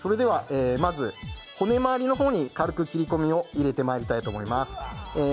骨周りの方に軽く切り込みを入れていきたいと思います。